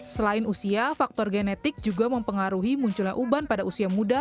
selain usia faktor genetik juga mempengaruhi munculnya uban pada usia muda